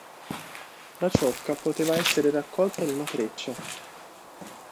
La ciocca poteva essere raccolta in una treccia.